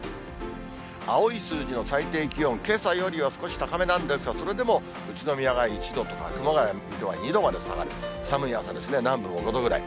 青い数字の最低気温、けさよりは少し高めなんですが、それでも宇都宮が１度とか熊谷、水戸は２度まで下がる、寒い朝ですね、南部も５度ぐらい。